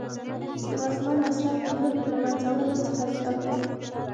د وسلو مصرف د لوږې له منځه وړلو څخه زیات دی